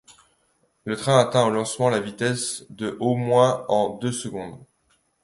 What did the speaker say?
Le train atteint au lancement la vitesse de en moins de deux secondes.